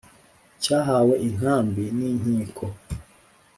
cyahawe inkambi ninkiko,